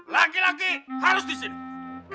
laki laki halus di sini